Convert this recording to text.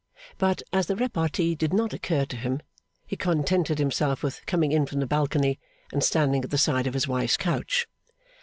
But, as the repartee did not occur to him, he contented himself with coming in from the balcony and standing at the side of his wife's couch.